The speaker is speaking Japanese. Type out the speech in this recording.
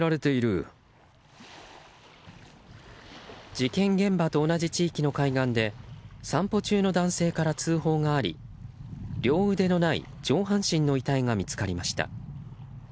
事件現場と同じ地域の海岸で散歩中の男性から通報があり両腕のない上半身の遺体が見つかりました。